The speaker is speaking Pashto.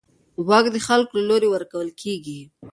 واک د خلکو له لوري ورکول کېږي